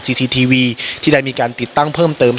ทีทีวีที่ได้มีการติดตั้งเพิ่มเติม